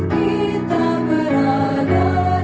dari zaman empat kerajaan